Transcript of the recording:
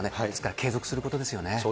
ですから継続することですよね。